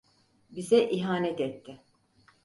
Bize ihanet etti.